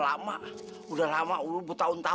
kau mau ibu dateng ke media nangerik